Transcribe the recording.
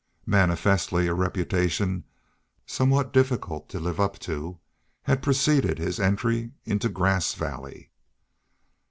Manifestly a reputation somewhat difficult to live up to had preceded his entry into Grass Valley.